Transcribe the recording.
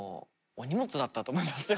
お荷物だったと思いますよ